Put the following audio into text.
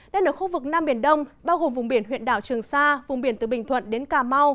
nên ở khu vực nam biển đông bao gồm vùng biển huyện đảo trường sa vùng biển từ bình thuận đến cà mau